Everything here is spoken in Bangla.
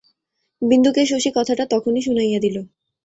বিন্দুকে শশী কথাটা তখনি শুনাইয়া দিল।